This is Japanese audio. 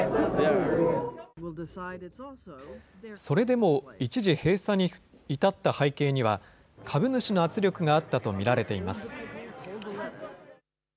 それでも一時閉鎖に至った背景には、株主の圧力があったと見られています。